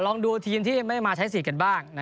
ลองดูทีมที่ไม่มาใช้สิทธิ์กันบ้าง